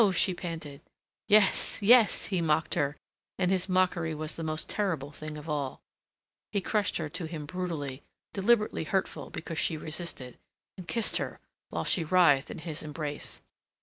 she panted. "Yes, yes," he mocked her, and his mockery was the most terrible thing of all. He crushed her to him brutally, deliberately hurtful because she resisted, and kissed her whilst she writhed in his embrace.